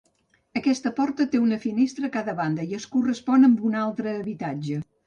Aquesta porta té una finestra a cada banda, i es correspon amb un altre habitatge.